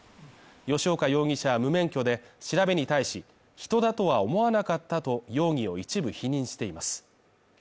吉岡容疑者は無免許で調べに対し人だとは思わなかったと容疑を一部否認しています。